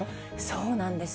そうなんです。